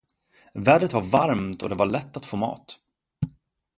Vädret var varmt och det var lätt att få mat.